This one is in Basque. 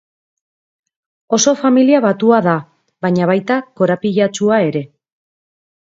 Oso familia batua da, baina baita korapilatsua ere.